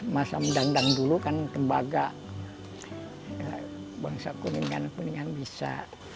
masa mendandang dulu kan tembaga bangsa kuningan kuningan bisa